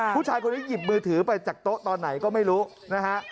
ผู้ชายคนนี้หยิบมือถือไปจากโต๊ะตอนไหนก็ไม่รู้นะฮะ